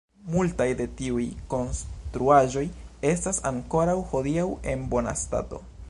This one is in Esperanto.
Multaj de tiuj konstruaĵoj estas ankoraŭ hodiaŭ en bona stato.